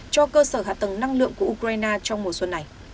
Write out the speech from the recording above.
cho cơ sở hạ tầng năng lượng của ukraine trong mùa xuân này